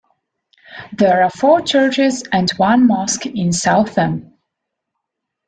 There are four churches and one mosque in Southam.